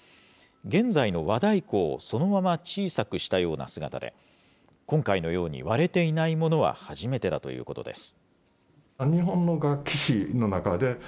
現在の和太鼓をそのまま小さくしたような姿で、今回のように割れていないものは初めてだということです。